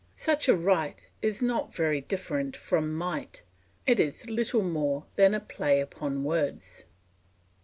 Such a right is not very different from might; it is little more than a play upon words.